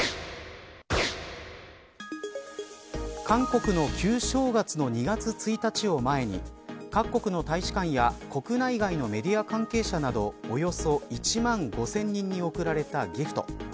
韓国の旧正月の２月１日を前に各国の大使館や国内外のメディア関係者などおよそ１万５０００人に贈られたギフト。